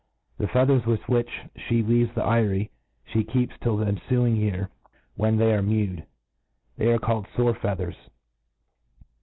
The feathers with which !he leaves the eyrie fbe keeps till the enfuing year, whan they are mewed* They arc called foar feathers.